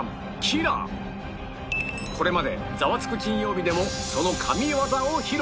これまで『ザワつく！金曜日』でもその神業を披露！